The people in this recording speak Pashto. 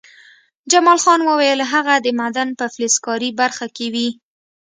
جمال خان وویل چې هغه د معدن په فلزکاري برخه کې وي